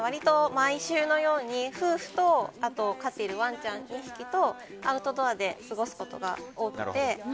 毎週のように夫婦とあと飼ってるワンちゃん２匹とアウトドアで過ごすことが多くて。